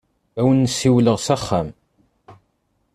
Ad awen-n-siwleɣ s axxam.